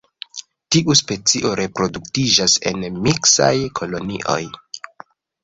Tiu specio reproduktiĝas en miksaj kolonioj.